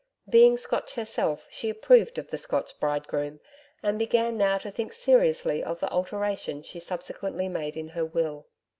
Being Scotch herself she approved of the Scotch bridegroom, and began now to think seriously of the alteration she subsequently made in her will.